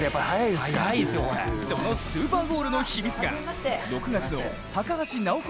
そのスーパーゴールの秘密が６月の高橋尚子